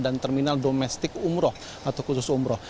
dan terminal domestik umroh atau khusus umroh